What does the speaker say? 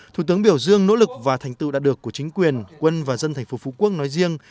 thủ tướng biểu dương nỗ lực và thành tựu đạt được của chính quyền quân và dân thành phố phú quốc nói riêng